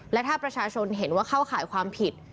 และถ้าประชาชนเห็นว่าเข้าข่ายความผิด